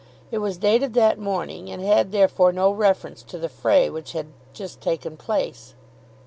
It was dated that morning, and had therefore no reference to the fray which had just taken place.